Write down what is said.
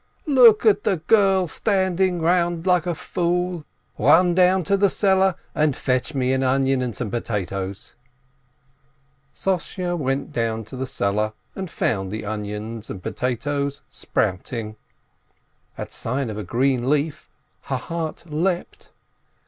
"Look at the girl standing round like a fool! Run down to the cellar, and fetch me an onion and some potatoes !" Sossye went down to the cellar, and found the onions and potatoes sprouting. At sight of a green leaf, her heart leapt.